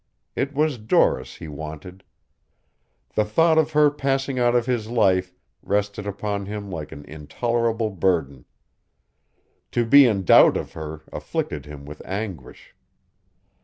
It was Doris he wanted. The thought of her passing out of his life rested upon him like an intolerable burden. To be in doubt of her afflicted him with anguish.